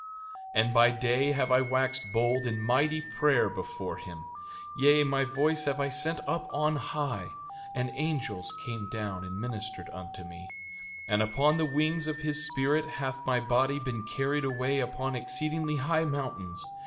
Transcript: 4:24 And by day have I waxed bold in mighty prayer before him; yea, my voice have I sent up on high; and angels came down and ministered unto me. 4:25 And upon the wings of his Spirit hath my body been carried away upon exceedingly high mountains.